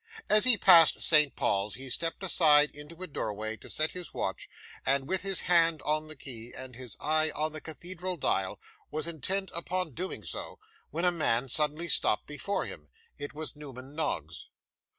As he passed St Paul's he stepped aside into a doorway to set his watch, and with his hand on the key and his eye on the cathedral dial, was intent upon so doing, when a man suddenly stopped before him. It was Newman Noggs.